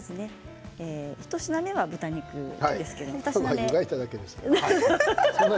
一品目は豚肉ですけれども。